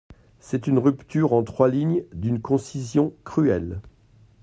C'était une rupture, en trois lignes d'une concision cruelle.